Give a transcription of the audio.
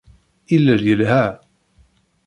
Illel yelha